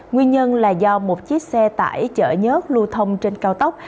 nguyên nhân là do một chiếc xe tải chở nhớt lưu thông trên cao tốc